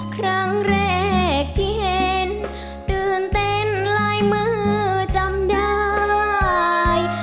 ครั้งแรกที่เห็นตื่นเต้นลายมือจำได้